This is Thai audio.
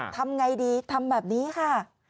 ทำไงดีทำแบบนี้ค่ะ